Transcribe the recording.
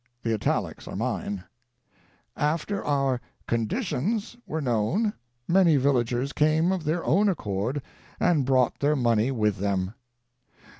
The italics are mine: "After our conditions were known many villagers came of their own accord and brought their money with them."